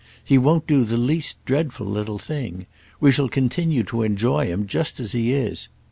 He won't do the least dreadful little thing. We shall continue to enjoy him just as he is.